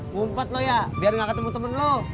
ngumpet lo ya biar gak ketemu temen lo